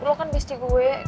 lo kan besti gue